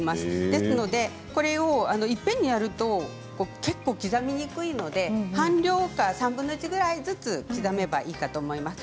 ですので、いっぺんにやると結構、刻みにくいので半量か３分の１ぐらいずつ刻めばいいかなと思います。